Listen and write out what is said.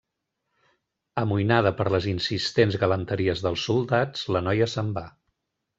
Amoïnada per les insistents galanteries dels soldats, la noia se'n va.